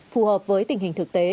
phù hợp với tình hình thực tế